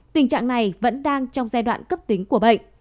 tình trạng này vẫn đang trong giai đoạn cấp tính của bệnh